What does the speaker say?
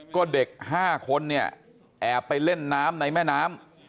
ก็เด็ก๕คนเนี่ยแอบไปเล่นน้ำในแม่น้ำ